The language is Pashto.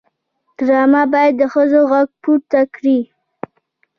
ډرامه باید د ښځو غږ پورته کړي